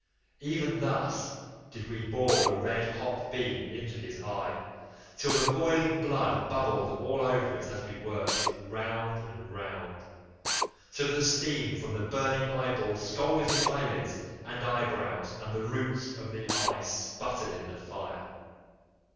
Even thus did we bore the red hot beam into his eye, till the boiling blood bubbled all over it as we worked it round and round, so that the steam from the burning eyeball scalded his eyelids and eyebrows, and the roots of the eye sputtered in the fire.